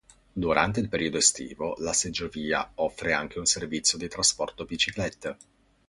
Durante il periodo estivo la seggiovia offre anche un servizio di trasporto biciclette.